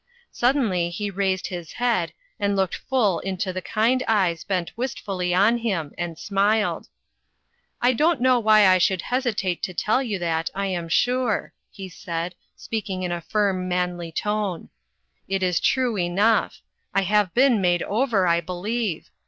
Suddenly he raised his head, and looked full into the kind eyes bent wistfully on him, and smiled r "I don't know why I should hesitate to tell you that, I am sure," he said, speaking in a firm, manly tone.. " It is true enough. I have been made over, I believe.